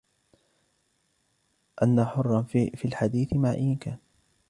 أن حر في الحديث مع أي كان.